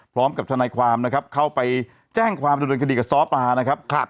พร้อมกับท่านในความเข้าไปแจ้งความเป็นบริเวณคดีกับซ้อปรานะครับ